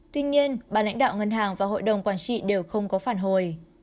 tuy nhiên bà lãnh đạo ngân hàng và hội đồng quản trị đều không có phản hồi